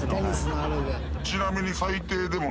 ちなみに最低でも。